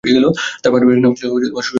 তার পারিবারিক নাম ছিল সুজাতা ভট্টাচার্য।